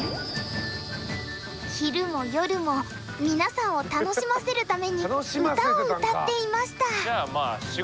「昼も夜も皆さんを楽しませるために歌を歌っていました。